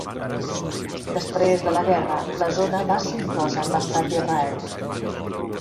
Després de la guerra, la zona va ser inclosa en l'estat d'Israel.